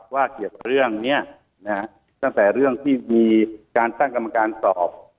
เกี่ยวกับเรื่องนี้นะฮะตั้งแต่เรื่องที่มีการตั้งกรรมการสอบ